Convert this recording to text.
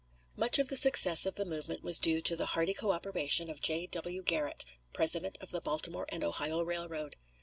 Much of the success of the movement was due to the hearty co operation of J. W. Garrett, president of the Baltimore and Ohio Railroad.